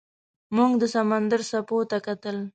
موږ د سمندر څپو ته کتل.